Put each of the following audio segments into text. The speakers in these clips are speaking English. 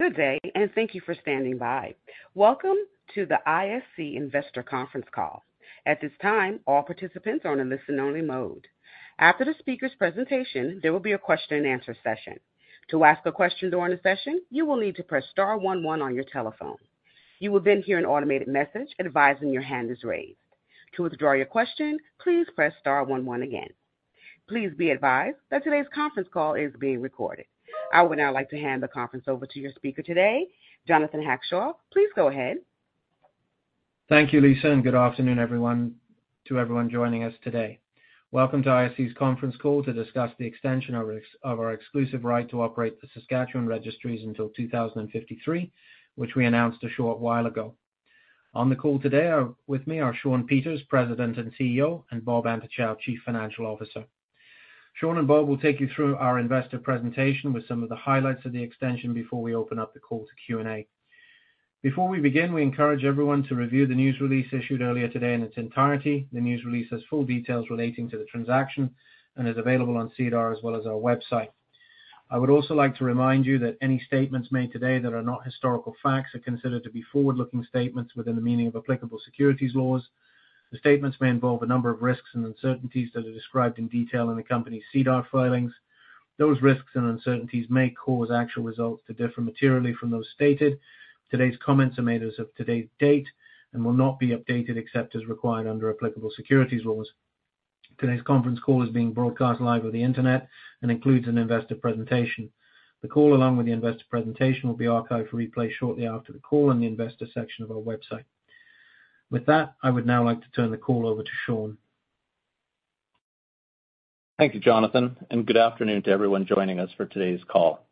Good day and thank you for standing by. Welcome to the ISC Investor Conference Call. At this time, all participants are in a listen-only mode. After the speaker's presentation, there will be a Q&A session. To ask a question during the session, you will need to press star one one on your telephone. You will then hear an automated message advising your hand is raised. To withdraw your question, please press star one one again. Please be advised that today's conference call is being recorded. I would now like to hand the conference over to your speaker today, Jonathan Hackshaw. Please go ahead. Thank you, Lisa. Good afternoon, everyone joining us today. Welcome to ISC's Conference Call to discuss the extension of our exclusive right to operate the Saskatchewan registries until 2053, which we announced a short while ago. On the call today with me are Shawn Peters, President and CEO, and Bob Antochow, Chief Financial Officer. Shawn and Bob will take you through our investor presentation with some of the highlights of the extension before we open up the call to Q&A. Before we begin, we encourage everyone to review the news release issued earlier today in its entirety. The news release has full details relating to the transaction and is available on SEDAR as well as our website. I would also like to remind you that any statements made today that are not historical facts are considered to be forward-looking statements within the meaning of applicable securities laws. The statements may involve a number of risks and uncertainties that are described in detail in the company's SEDAR filings. Those risks and uncertainties may cause actual results to differ materially from those stated. Today's comments are made as of today's date and will not be updated except as required under applicable securities laws. Today's conference call is being broadcast live on the internet and includes an investor presentation. The call, along with the investor presentation, will be archived for replay shortly after the call in the investor section of our website. With that, I would now like to turn the call over to Shawn. Thank you, Jonathan. Good afternoon to everyone joining us for today's call.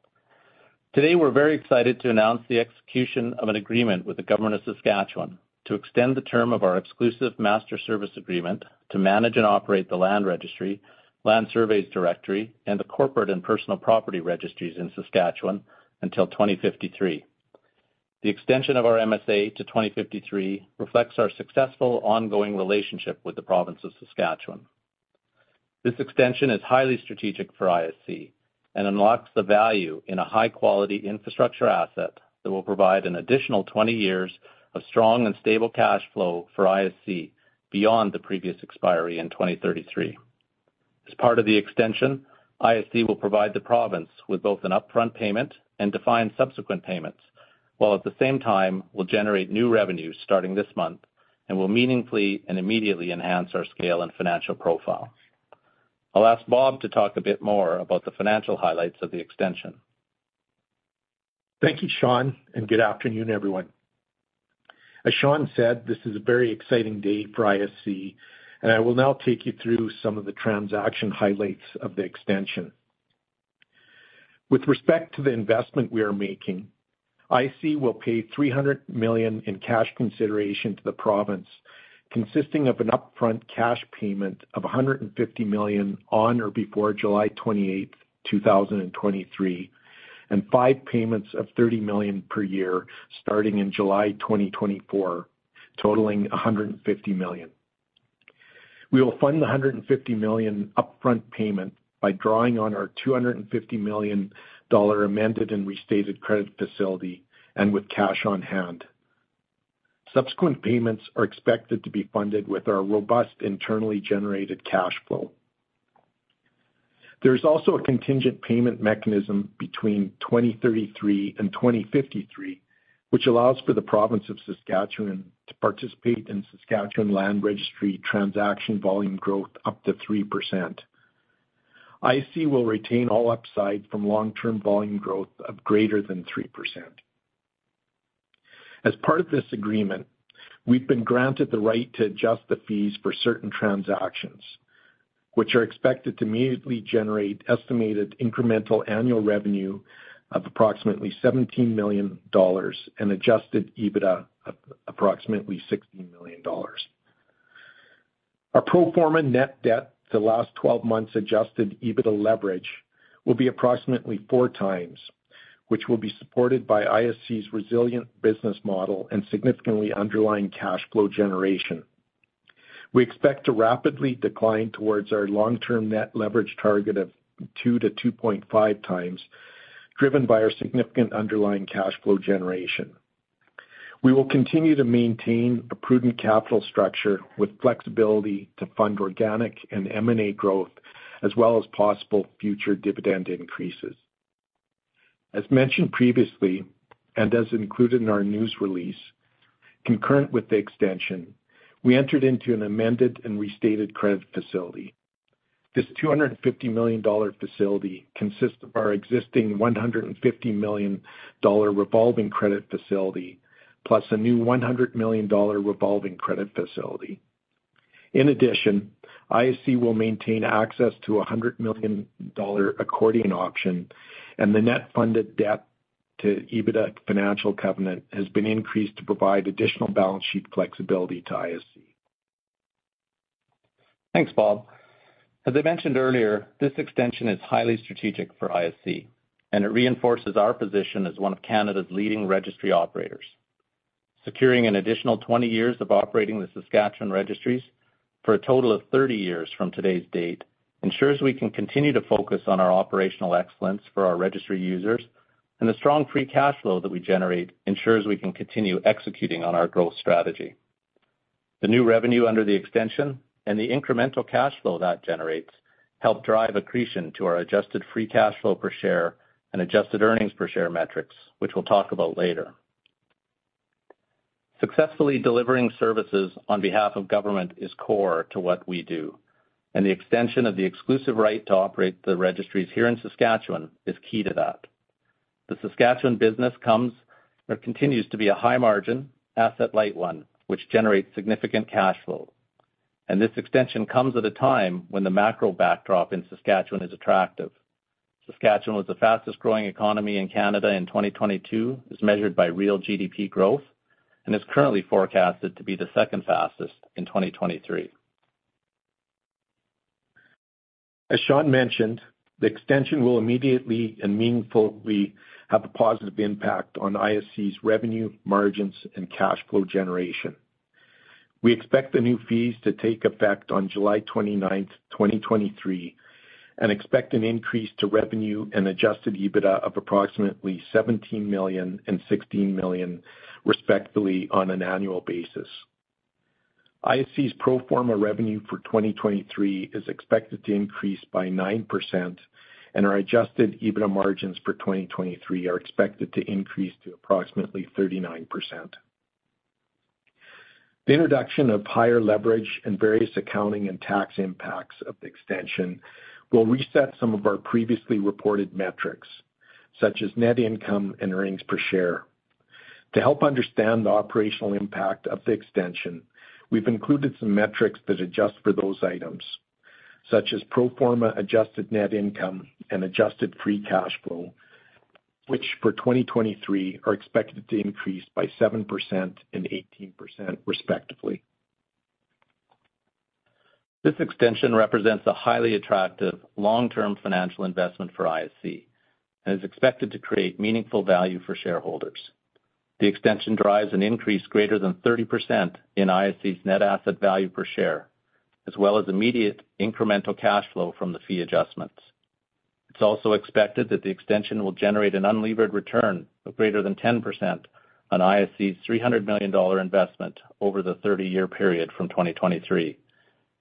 Today, we're very excited to announce the execution of an agreement with the Government of Saskatchewan to extend the term of our exclusive Master Service Agreement to manage and operate the Land Registry, Land Surveys Directory, and the Corporate and Personal Property Registries in Saskatchewan until 2053. The extension of our MSA to 2053 reflects our successful ongoing relationship with the Province of Saskatchewan. This extension is highly strategic for ISC and unlocks the value in a high-quality infrastructure asset that will provide an additional 20 years of strong and stable cash flow for ISC beyond the previous expiry in 2033. As part of the extension, ISC will provide the province with both an Upfront payment and defined subsequent payments, while at the same time will generate new revenues starting this month and will meaningfully and immediately enhance our scale and financial profile. I'll ask Bob to talk a bit more about the financial highlights of the extension. Thank you, Shawn. Good afternoon, everyone. As Shawn said, this is a very exciting day for ISC, and I will now take you through some of the transaction highlights of the extension. With respect to the investment we are making, ISC will pay 300 million in cash consideration to the province, consisting of an Upfront cash payment of 150 million on or before July 28th, 2023, and five payments of 30 million per year starting in July 2024, totaling 150 million. We will fund the 150 million Upfront payment by drawing on our 250 million dollar Amended and Restated Credit Facility and with cash on hand. Subsequent payments are expected to be funded with our robust internally generated cash flow. There's also a contingent payment mechanism between 2033 and 2053, which allows for the province of Saskatchewan to participate in Saskatchewan Land Registry transaction volume growth up to 3%. ISC will retain all upside from long-term volume growth of greater than 3%. As part of this agreement, we've been granted the right to adjust the fees for certain transactions, which are expected to immediately generate estimated incremental annual revenue of approximately 17 million dollars and adjusted EBITDA of approximately 16 million dollars. Our pro forma net debt to the last 12 months adjusted EBITDA leverage will be approximately 4x, which will be supported by ISC's resilient business model and significantly underlying cash flow generation. We expect to rapidly decline towards our long-term net leverage target of 2x-2.5x, driven by our significant underlying cash flow generation. We will continue to maintain a prudent capital structure with flexibility to fund organic and M&A growth, as well as possible future dividend increases. As mentioned previously, and as included in our news release, concurrent with the extension, we entered into an Amended and Restated Credit Facility. This 250 million dollar facility consists of our existing 150 million dollar revolving credit facility, plus a new 100 million dollar revolving credit facility. In addition, ISC will maintain access to a 100 million dollar accordion option, and the net funded debt to EBITDA financial covenant has been increased to provide additional balance sheet flexibility to ISC. Thanks, Bob. As I mentioned earlier, this extension is highly strategic for ISC, and it reinforces our position as one of Canada's leading registry operators. Securing an additional 20 years of operating the Saskatchewan registries for a total of 30 years from today's date, ensures we can continue to focus on our operational excellence for our registry users, and the strong free cash flow that we generate ensures we can continue executing on our growth strategy. The new revenue under the extension and the incremental cash flow that generates, help drive accretion to our adjusted Free Cash Flow Per Share and adjusted earnings per share metrics, which we'll talk about later. Successfully delivering services on behalf of government is core to what we do, and the extension of the exclusive right to operate the registries here in Saskatchewan is key to that. The Saskatchewan business comes or continues to be a high margin, asset-light one, which generates significant cash flow. This extension comes at a time when the macro backdrop in Saskatchewan is attractive. Saskatchewan was the fastest growing economy in Canada in 2022, as measured by real GDP growth, and is currently forecasted to be the second fastest in 2023. As Shawn mentioned, the extension will immediately and meaningfully have a positive impact on ISC's revenue, margins, and cash flow generation. We expect the new fees to take effect on July 29th, 2023, and expect an increase to revenue and adjusted EBITDA of approximately 17 million and 16 million, respectively, on an annual basis. ISC's pro forma revenue for 2023 is expected to increase by 9%, and our adjusted EBITDA margins for 2023 are expected to increase to approximately 39%. The introduction of higher leverage and various accounting and tax impacts of the extension will reset some of our previously reported metrics, such as net income and earnings per share. To help understand the operational impact of the extension, we've included some metrics that adjust for those items, such as pro forma adjusted net income and adjusted free cash flow, which for 2023, are expected to increase by 7% and 18%, respectively. This extension represents a highly attractive, long-term financial investment for ISC and is expected to create meaningful value for shareholders. The extension drives an increase greater than 30% in ISC's Net Asset Value per share, as well as immediate incremental cash flow from the fee adjustments. It's also expected that the extension will generate an unlevered return of greater than 10% on ISC's 300 million dollar investment over the 30-year period from 2023,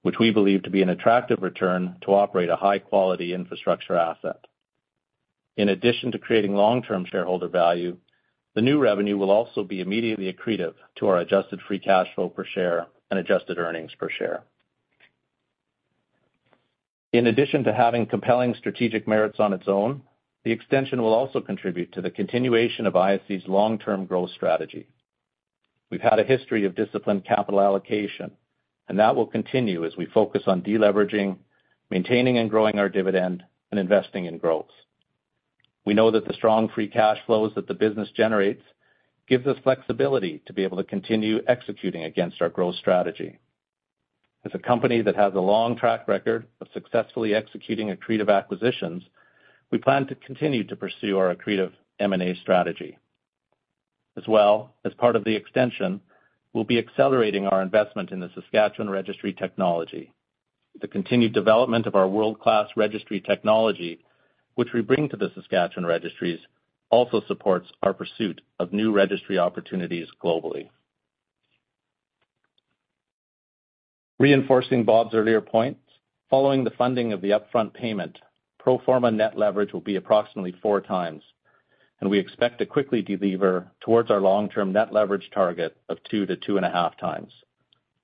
which we believe to be an attractive return to operate a high-quality infrastructure asset. In addition to creating long-term shareholder value, the new revenue will also be immediately accretive to our adjusted Free Cash Flow Per Share and adjusted earnings per share. In addition to having compelling strategic merits on its own, the extension will also contribute to the continuation of ISC's long-term growth strategy. We've had a history of disciplined capital allocation, and that will continue as we focus on deleveraging, maintaining and growing our dividend, and investing in growth. We know that the strong free cash flows that the business generates gives us flexibility to be able to continue executing against our growth strategy. As a company that has a long track record of successfully executing accretive acquisitions, we plan to continue to pursue our accretive M&A strategy. As well, as part of the extension, we'll be accelerating our investment in the Saskatchewan Registry technology. The continued development of our world-class registry technology, which we bring to the Saskatchewan registries, also supports our pursuit of new registry opportunities globally. Reinforcing Bob's earlier points, following the funding of the Upfront payment, pro forma net leverage will be approximately 4x, and we expect to quickly deliver towards our long-term net leverage target of 2x-2.5x,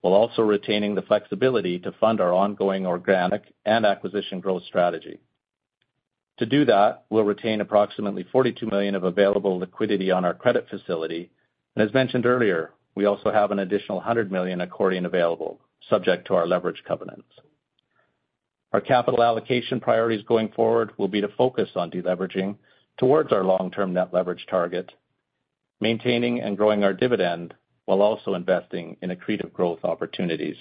while also retaining the flexibility to fund our ongoing organic and acquisition growth strategy. To do that, we'll retain approximately 42 million of available liquidity on our credit facility. As mentioned earlier, we also have an additional 100 million accordion available, subject to our leverage covenants. Our capital allocation priorities going forward will be to focus on deleveraging towards our long-term net leverage target, maintaining and growing our dividend, while also investing in accretive growth opportunities.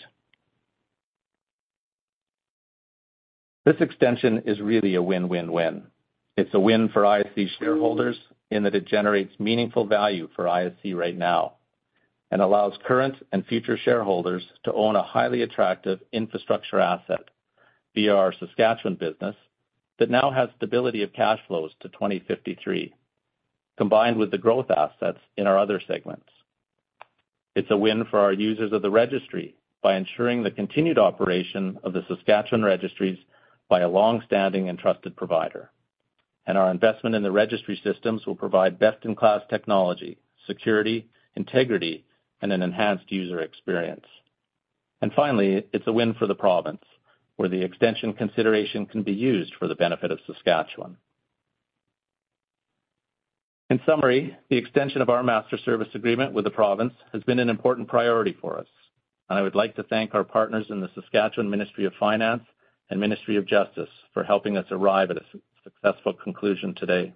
This extension is really a win, win. It's a win for ISC shareholders in that it generates meaningful value for ISC right now and allows current and future shareholders to own a highly attractive infrastructure asset via our Saskatchewan business, that now has stability of cash flows to 2053, combined with the growth assets in our other segments. It's a win for our users of the registry by ensuring the continued operation of the Saskatchewan registries by a long-standing and trusted provider. Our investment in the registry systems will provide best-in-class technology, security, integrity, and an enhanced user experience. Finally, it's a win for the province, where the extension consideration can be used for the benefit of Saskatchewan. In summary, the extension of our Master Service Agreement with the province has been an important priority for us, and I would like to thank our partners in the Saskatchewan Ministry of Finance and Ministry of Justice for helping us arrive at a successful conclusion today.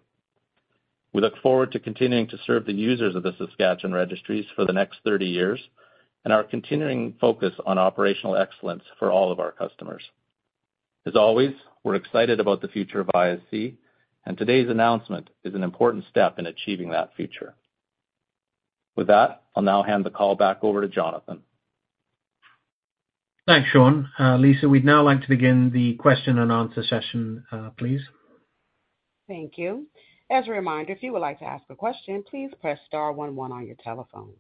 We look forward to continuing to serve the users of the Saskatchewan registries for the next 30 years and our continuing focus on operational excellence for all of our customers. As always, we're excited about the future of ISC, and today's announcement is an important step in achieving that future. With that, I'll now hand the call back over to Jonathan. Thanks, Shawn. Lisa, we'd now like to begin the question and answer session, please. Thank you. If you would like to ask a question, please press star one one on your telephone.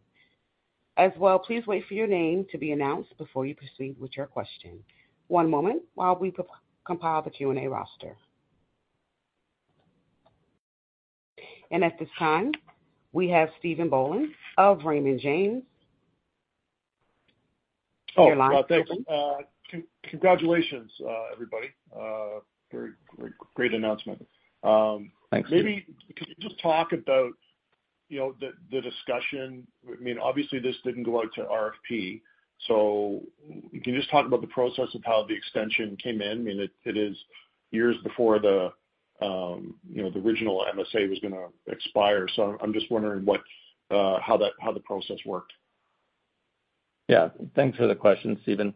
Please wait for your name to be announced before you proceed with your question. One moment while we compile the Q&A roster. At this time, we have Stephen Boland of Raymond James. Your line is open. Thanks. Congratulations, everybody. Very great announcement. Thanks. Maybe can you just talk about, you know, the discussion? I mean, obviously, this didn't go out to RFP. Can you just talk about the process of how the extension came in? I mean, it is years before, you know, the original MSA was going to expire. I'm just wondering how the process worked. Yeah. Thanks for the question, Stephen.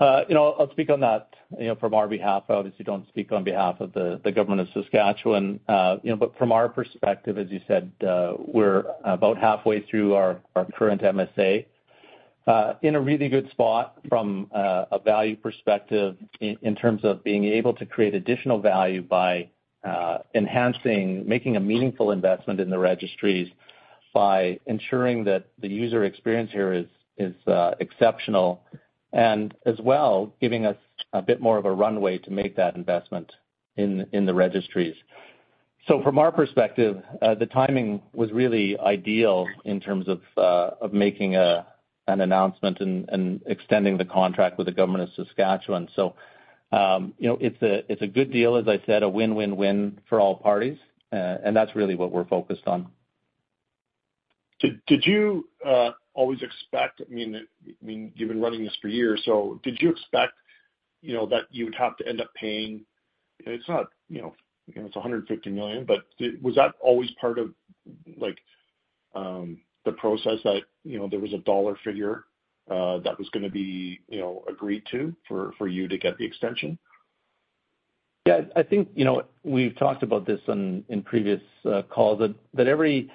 you know, I'll speak on that, you know, from our behalf. I obviously don't speak on behalf of the Government of Saskatchewan. you know, but from our perspective, as you said, we're about halfway through our current MSA, in a really good spot from a value perspective in terms of being able to create additional value by enhancing, making a meaningful investment in the registries, by ensuring that the user experience here is exceptional, and as well, giving us a bit more of a runway to make that investment in the registries. From our perspective, the timing was really ideal in terms of making an announcement and extending the contract with the Government of Saskatchewan. You know, it's a good deal, as I said, a win-win-win for all parties, and that's really what we're focused on. Did you always expect, I mean, you've been running this for years, so did you expect, you know, that you would have to end up paying, it's not, you know, it's 150 million, but was that always part of, like, the process that, you know, there was a dollar figure that was going to be, you know, agreed to, for you to get the extension? Yeah, I think, you know, we've talked about this on, in previous calls, that every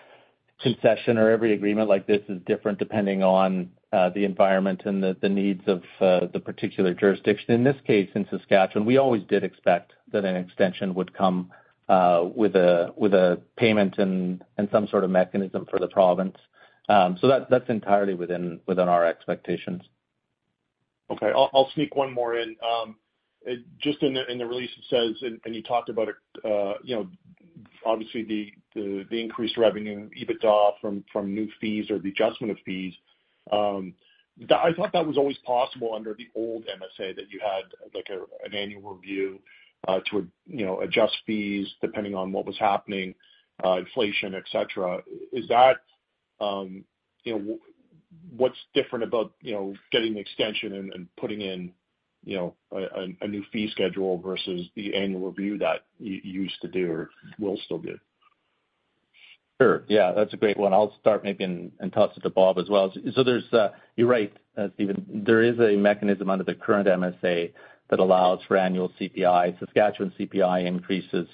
concession or every agreement like this is different depending on the environment and the needs of the particular jurisdiction. In this case, in Saskatchewan, we always did expect that an extension would come with a, with a payment and some sort of mechanism for the province. That, that's entirely within our expectations. Okay. I'll sneak one more in. just in the release, it says, and you talked about it, you know, obviously the increased revenue, EBITDA from new fees or the adjustment of fees. I thought that was always possible under the old MSA, that you had, like, an annual review, to, you know, adjust fees depending on what was happening, inflation, et cetera. Is that, you know, what's different about, you know, getting the extension and putting in, you know, a new fee schedule versus the annual review that you used to do or will still do? Sure. Yeah, that's a great one. I'll start maybe and toss it to Bob as well. There's you're right, Stephen, there is a mechanism under the current MSA that allows for annual CPI, Saskatchewan CPI increases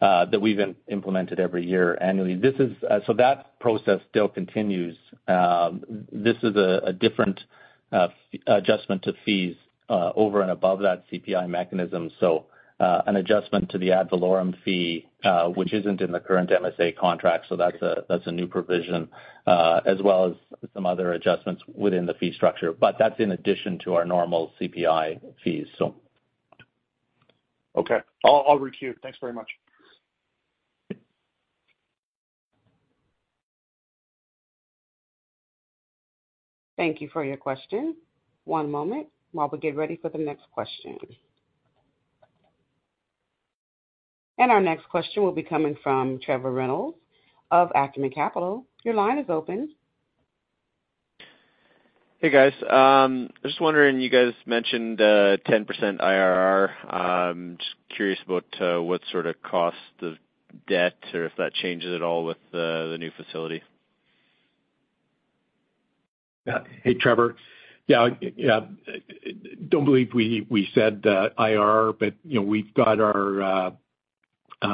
that we've implemented every year annually. This is so that process still continues. This is a different adjustment to fees over and above that CPI mechanism, so an adjustment to the ad valorem fee which isn't in the current MSA contract, so that's a new provision as well as some other adjustments within the fee structure, but that's in addition to our normal CPI fees. Okay. I'll re-queue. Thanks very much. Thank you for your question. One moment while we get ready for the next question. Our next question will be coming from Trevor Reynolds of Acumen Capital. Your line is open. Hey, guys. I was just wondering, you guys mentioned 10% IRR. Just curious about what sort of cost of debt or if that changes at all with the new facility? Yeah. Hey, Trevor. Yeah, yeah, don't believe we said the IRR, but, you know, we've got our, you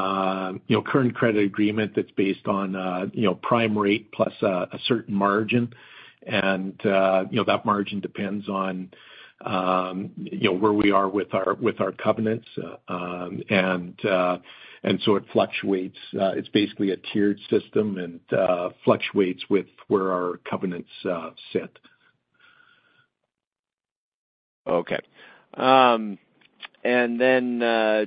know, current credit agreement that's based on, you know, prime rate plus a certain margin. That margin depends on, you know, where we are with our covenants, and so it fluctuates. It's basically a tiered system and fluctuates with where our covenants sit. Okay.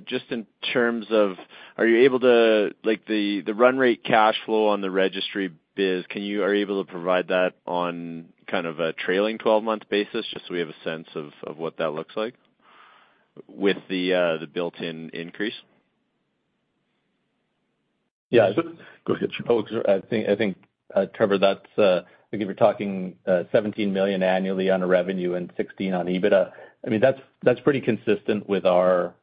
Just in terms of, are you able to, like, the run rate cash flow on the registry biz, are you able to provide that on kind of a trailing 12-month basis, just so we have a sense of what that looks like with the built-in increase? Yeah. Go ahead, Shawn. I think, Trevor, that's, I think we're talking 17 million annually on revenue and 16 million on EBITDA. I mean, that's pretty consistent with our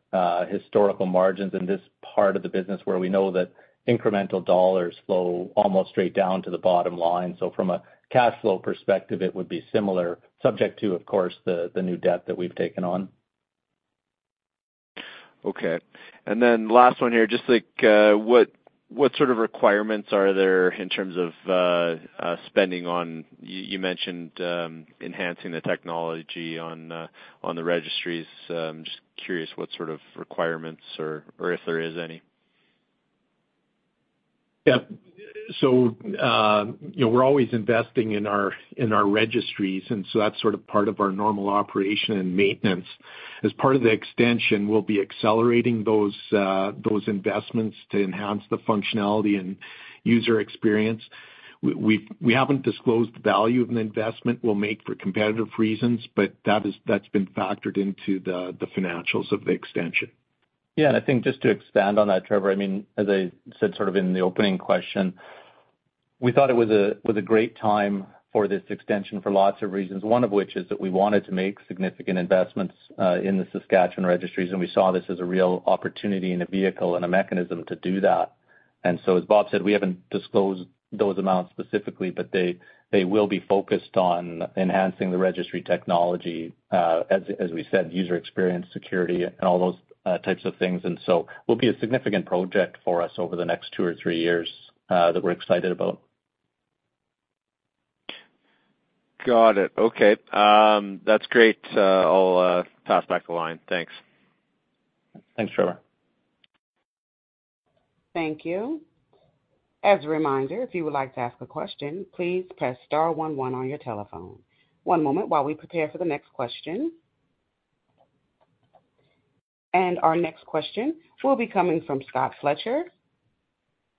historical margins in this part of the business, where we know that incremental dollars flow almost straight down to the bottom line. From a cash flow perspective, it would be similar, subject to, of course, the new debt that we've taken on. Okay. Last one here, just like, what sort of requirements are there in terms of, you mentioned, enhancing the technology on the registries. Just curious what sort of requirements or if there is any? Yep. You know, we're always investing in our registries, and so that's sort of part of our normal operation and maintenance. As part of the extension, we'll be accelerating those investments to enhance the functionality and user experience. We haven't disclosed the value of an investment we'll make for competitive reasons, but that is, that's been factored into the financials of the extension. I think just to expand on that, Trevor Reynolds, I mean, as I said, sort of in the opening question, we thought it was a great time for this extension for lots of reasons. One of which is that we wanted to make significant investments in the Saskatchewan registries, we saw this as a real opportunity and a vehicle and a mechanism to do that. As Bob Antochow said, we haven't disclosed those amounts specifically, but they will be focused on enhancing the registry technology, as we said, user experience, security, and all those types of things. Will be a significant project for us over the next two or three years that we're excited about. Got it. Okay. That's great. I'll, pass back the line. Thanks. Thanks, Trevor. Thank you. As a reminder, if you would like to ask a question, please press star one one on your telephone. One moment while we prepare for the next question. Our next question will be coming from Scott Fletcher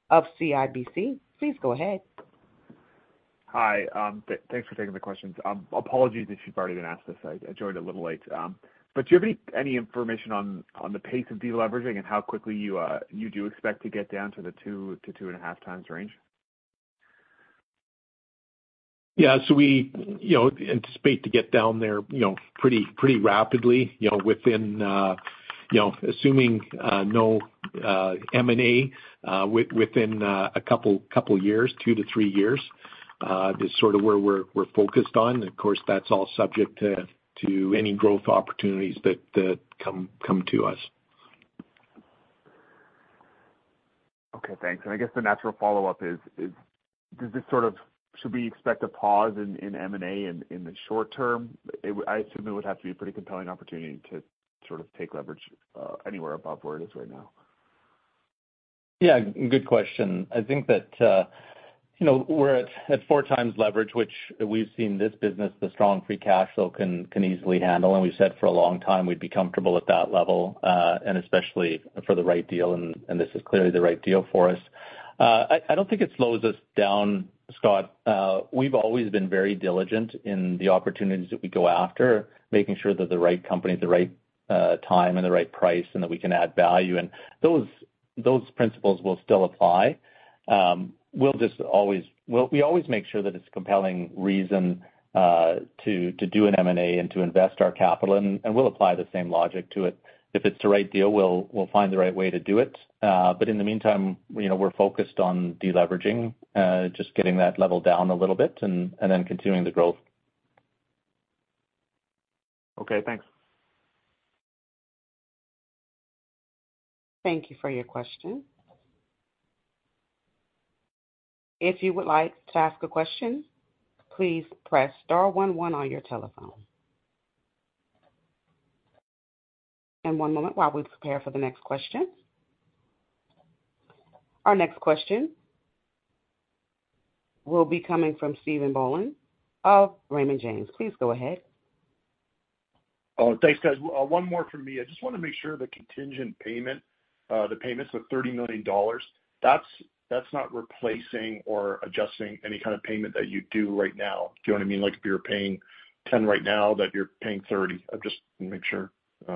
of CIBC. Please go ahead. Hi. Thanks for taking the questions. Apologies if you've already been asked this. I joined a little late, but do you have any information on the pace of deleveraging and how quickly you do expect to get down to the 2x-2.5x range? We, you know, anticipate to get down there, you know, pretty rapidly, you know, within, you know, assuming, no, M&A, within, a couple years, two to three years, is sort of where we're focused on. Of course, that's all subject to any growth opportunities that come to us. Okay, thanks. I guess the natural follow-up is does this sort of, should we expect a pause in M&A in the short term? I assume it would have to be a pretty compelling opportunity to sort of take leverage anywhere above where it is right now. Yeah, good question. I think that, you know, we're at 4x leverage, which we've seen this business, the strong free cash flow can easily handle. We've said for a long time we'd be comfortable at that level, and especially for the right deal, this is clearly the right deal for us. I don't think it slows us down, Scott. We've always been very diligent in the opportunities that we go after, making sure that the right company at the right time and the right price, and that we can add value. Those principles will still apply. We always make sure that it's a compelling reason to do an M&A and to invest our capital, and we'll apply the same logic to it. If it's the right deal, we'll find the right way to do it. In the meantime, you know, we're focused on deleveraging, just getting that level down a little bit and then continuing the growth. Okay, thanks. Thank you for your question. If you would like to ask a question, please press star one one on your telephone. One moment while we prepare for the next question. Our next question will be coming from Stephen Boland of Raymond James. Please go ahead. Oh, thanks, guys. One more from me. I just want to make sure the contingent payment, the payments of $30 million, that's not replacing or adjusting any kind of payment that you do right now. Do you know what I mean? Like, if you're paying $10 right now, that you're paying $30. I just want to make sure, you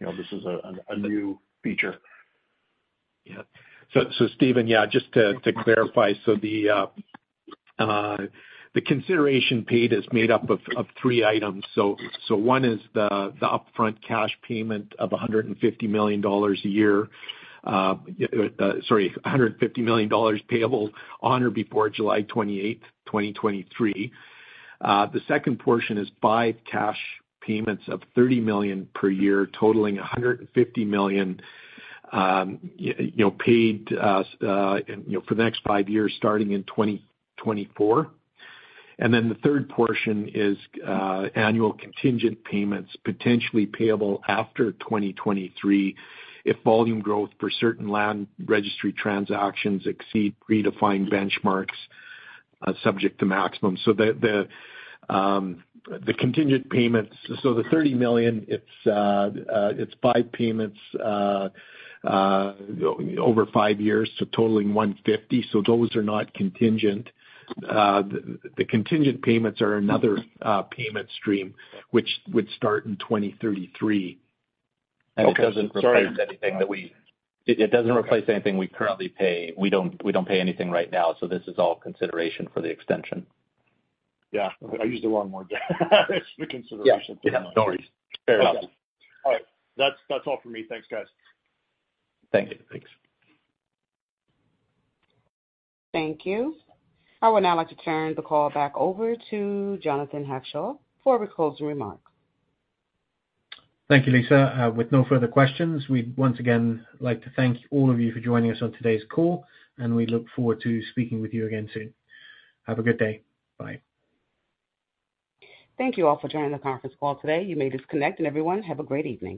know, this is a new feature. Yeah. Stephen, yeah, just to clarify, so the consideration paid is made up of three items. One is the Upfront cash payment of 150 million dollars a year. Sorry, 150 million dollars payable on or before July 28th, 2023. The second portion is five cash payments of 30 million per year, totaling 150 million, you know, paid, you know, for the next five years, starting in 2024. The third portion is annual Contingent Payments, potentially payable after 2023, if volume growth for certain Land Registry transactions exceeds predefined benchmarks, subject to maximum. The Contingent Payments, so the 30 million, it's five payments, over five years, so totaling 150, so those are not contingent. The Contingent Payments are another payment stream, which would start in 2033. Okay, sorry. It doesn't replace anything. It doesn't replace anything we currently pay. We don't pay anything right now. This is all consideration for the extension. Yeah, I used the wrong word. It's the consideration. Yeah. Yeah, no worries. Fair enough. All right. That's all for me. Thanks, guys. Thank you. Thanks. Thank you. I would now like to turn the call back over to Jonathan Hackshaw for closing remarks. Thank you, Lisa. With no further questions, we'd once again like to thank all of you for joining us on today's call. We look forward to speaking with you again soon. Have a good day. Bye. Thank you all for joining the conference call today. You may disconnect, and everyone, have a great evening.